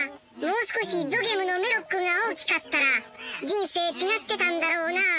もう少しゾゲムのメロックが大きかったら人生違ってたんだろうなあ。